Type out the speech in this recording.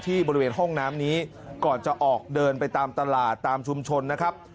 บริเวณห้องน้ำนี้ก่อนจะออกเดินไปตามตลาดตามชุมชนนะครับ